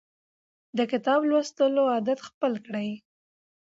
د کتاب لوستلو عادت خپل کړئ.